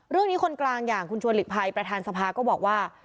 คนกลางอย่างคุณชวนหลีกภัยประธานสภาก็บอกว่า